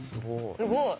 すごい。